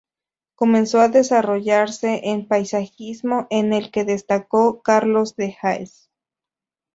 Comenzó a desarrollarse el paisajismo, en el que destacó Carlos de Haes.